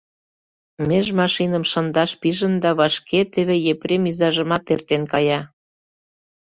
— Меж машиным шындаш пижын да вашке теве Епрем изажымат эртен кая.